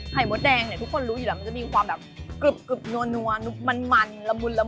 มดแดงเนี่ยทุกคนรู้อยู่แล้วมันจะมีความแบบกึบนัวมันละมุนละมุ